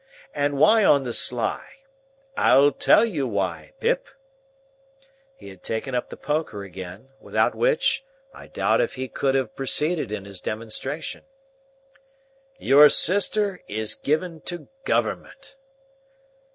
And why on the sly? I'll tell you why, Pip." He had taken up the poker again; without which, I doubt if he could have proceeded in his demonstration. "Your sister is given to government."